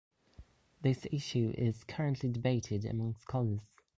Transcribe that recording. This issue is currently debated among scholars.